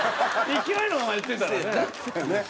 勢いのままやってたらね。